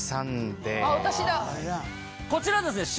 こちらです。